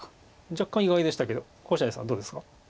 若干意外でしたけど星合さんはどうですか？